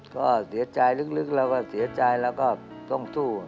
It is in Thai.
ก็เสียใจลึกเราก็เสียใจเราก็ต้องสู้